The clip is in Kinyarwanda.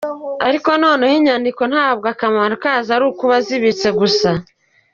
Ariko noneho, inyandiko ntabwo akamaro kazo ari ukuba zibitse gusa.